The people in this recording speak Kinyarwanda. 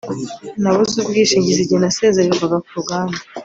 Nabuze ubwishingizi igihe nasezererwaga ku ruganda